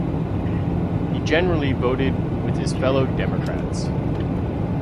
He generally voted with his fellow Democrats.